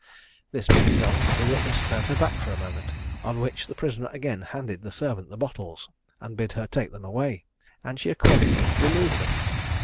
This being done, the witness turned her back for a moment, on which the prisoner again handed the servant the bottles, and bid her take them away, and she accordingly removed them.